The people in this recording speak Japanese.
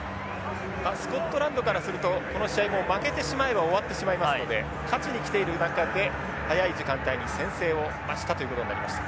スコットランドからするとこの試合もう負けてしまえば終わってしまいますので勝ちに来ている中で早い時間帯に先制をしたということになりました。